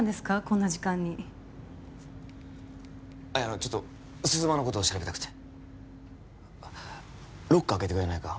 こんな時間にいやちょっと鈴間のことを調べたくてロッカー開けてくれないか？